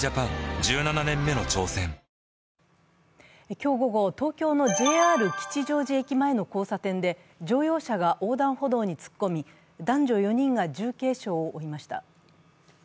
今日午後、東京のＪＲ吉祥寺駅前の交差点で乗用車が横断歩道に突っ込み、男女４人が重軽傷を負いました。